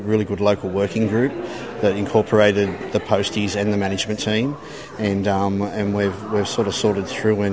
kami memiliki grup pekerja di tempat yang bagus yang memasuki tim pengiriman dan tim pengurusan